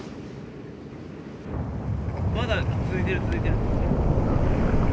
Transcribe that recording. まだ続いてる続いてる。